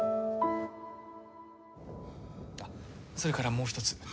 あっそれからもう一つ。